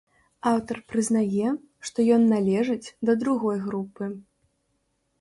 Аўтар прызнае, што ён належыць да другой групы.